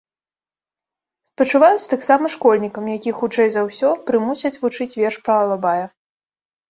Спачуваюць таксама школьнікам, якіх, хутчэй за ўсё, прымусяць вучыць верш пра алабая.